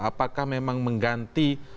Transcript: apakah memang mengganti